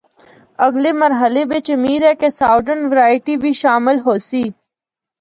اگلے مرحلے بچ امید ہے کہ ساؤدرن ورائٹی بھی شامل ہوسی۔